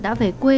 đã về quê